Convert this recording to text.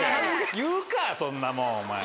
言うかそんなもんお前。